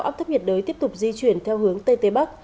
áp thấp nhiệt đới tiếp tục di chuyển theo hướng tây tây bắc